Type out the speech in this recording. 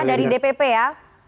dari dpp ya